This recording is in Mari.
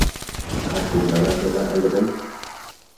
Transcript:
А кум гана пера ыле гын?..